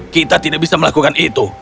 kita tidak bisa melakukan itu